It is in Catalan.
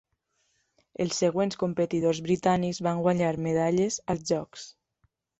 Els següents competidors britànics van guanyar medalles als jocs.